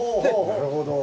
なるほど。